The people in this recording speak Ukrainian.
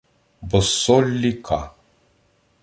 Боссолі К.